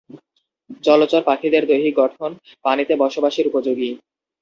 জলচর পাখিদের দৈহিক গঠন পানিতে বসবাসের উপযোগী।